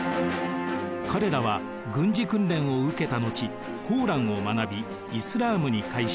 彼らは軍事訓練を受けた後「コーラン」を学びイスラームに改宗。